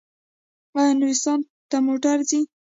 آیا نورستان ته موټر ځي؟